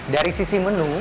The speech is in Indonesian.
dari sisi menu